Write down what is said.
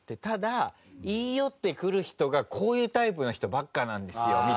「ただ言い寄ってくる人がこういうタイプの人ばっかりなんですよ」